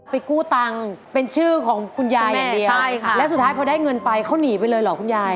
กู้ตังค์เป็นชื่อของคุณยายอย่างเดียวใช่ค่ะแล้วสุดท้ายพอได้เงินไปเขาหนีไปเลยเหรอคุณยาย